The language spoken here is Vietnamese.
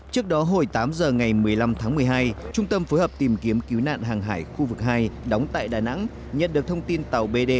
trước đó hồi tám giờ ngày một mươi năm tháng một mươi hai trung tâm phối hợp tìm kiếm cứu nạn hàng hải khu vực hai đóng tại đà nẵng nhận được thông tin tàu bd chín mươi năm nghìn ba trăm sáu mươi tám ts cùng một mươi ba ngư dân